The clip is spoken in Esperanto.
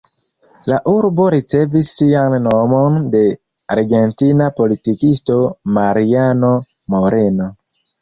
La urbo ricevis sian nomon de argentina politikisto Mariano Moreno.